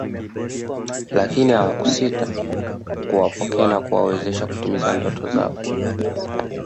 Lakini awakusita kuwapokea na kuwawezesha kutimiza ndoto zao